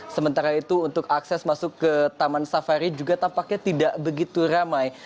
sementara itu untuk akses masuk ke taman safari juga tampaknya tidak begitu ramai